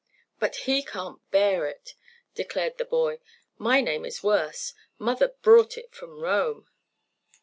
"But he can't bear it," declared the boy. "My name is worse. Mother brought it from Rome."